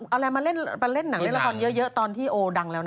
เอาอะไรมาเล่นหนังเล่นละครเยอะตอนที่โอดังแล้วนะ